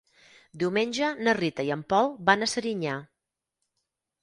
Diumenge na Rita i en Pol van a Serinyà.